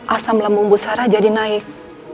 asam lambung bu sarah jadi naik